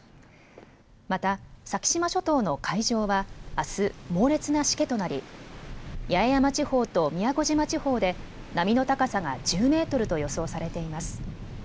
また先島諸島の海上はあす、猛烈なしけとなり八重山地方と宮古島地方で波の高さが１０メートルと予想されています。